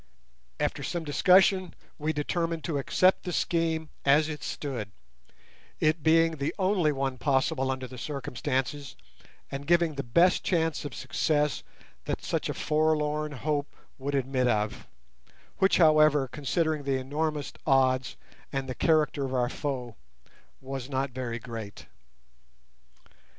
After some discussion we determined to accept the scheme, as it stood, it being the only one possible under the circumstances, and giving the best chance of success that such a forlorn hope would admit of—which, however, considering the enormous odds and the character of our foe, was not very great.